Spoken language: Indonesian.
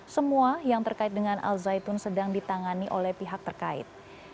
semua yang terkait dengan al zaitun sedang ditangani oleh pihak terkait